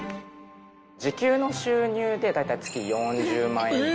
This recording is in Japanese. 時給の収入で大体月４０万円前後。